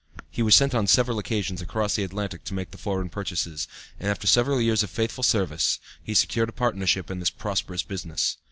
He was sent on several occasions across the Atlantic to make the foreign purchases, and after several years of faithful service he secured a partnership in this prosperous business.